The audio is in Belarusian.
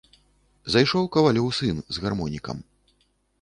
Зайшоў кавалёў сын з гармонікам.